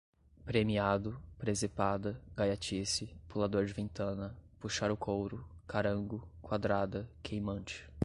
premiado, presepada, gaiatice, pulador de ventana, puxar o couro, carango, quadrada, queimante